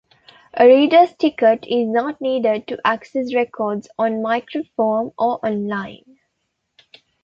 A reader's ticket is not needed to access records on microform or online.